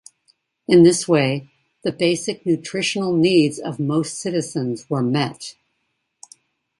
In this way, the basic nutritional needs of most citizens were met.